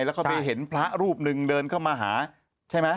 แล้วก็ไปเห็นพระรูปหนึ่งเดินเข้ามาหาใช่ไหม